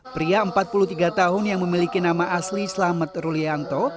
pria empat puluh tiga tahun yang memiliki nama asli selamet rulianto